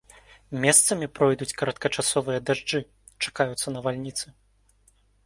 Месцамі пройдуць кароткачасовыя дажджы, чакаюцца навальніцы.